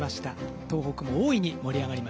東北も大いに盛り上がりました。